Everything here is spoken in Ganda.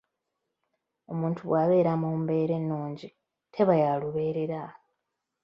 Omuntu bw'abeera mu mbeera ennungi teba ya lubeerera.